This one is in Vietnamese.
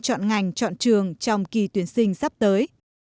chọn ngành chọn trường trong kỳ tuyển sinh sắp tới